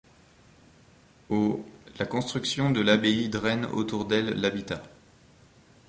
Au la construction de l'abbaye draine autour d'elle l'habitat.